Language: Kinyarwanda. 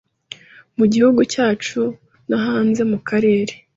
mu gihugu cyacu no hanze mu karere